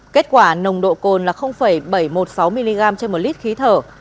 kết quả nồng độ cồn là bảy trăm một mươi sáu mg trên một lít khí thở